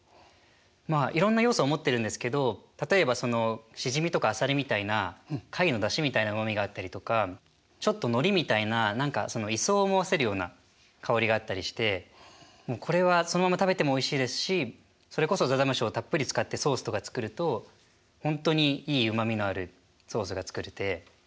まあいろんな要素を持ってるんですけど例えばそのシジミとかアサリみたいな貝のだしみたいなうまみがあったりとかちょっとノリみたいな何かその磯を思わせるような香りがあったりしてもうこれはそのまま食べてもおいしいですしそれこそざざむしをたっぷり使ってソースとか作ると本当にいいうまみのあるソースが作れて。